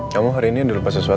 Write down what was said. kamu hari ini ada lupa sesuatu